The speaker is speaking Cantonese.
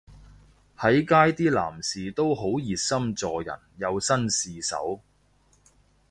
喺街啲男士都好熱心助人又紳士手